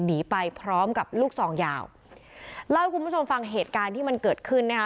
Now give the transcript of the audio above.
หนีไปพร้อมกับลูกซองยาวเล่าให้คุณผู้ชมฟังเหตุการณ์ที่มันเกิดขึ้นนะคะ